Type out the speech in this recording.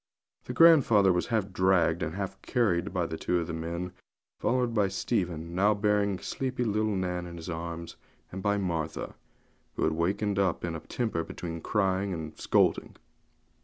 The grandfather was half dragged and half carried along by two of the men, followed by Stephen bearing sleepy little Nan in his arms, and by Martha, who had wakened up in a temper between crying and scolding.